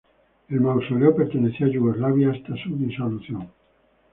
El mausoleo perteneció a Yugoslavia hasta su disolución.